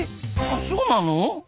あそうなの？